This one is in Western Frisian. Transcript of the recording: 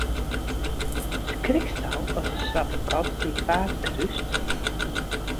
Skriksto as in swarte kat dyn paad krúst?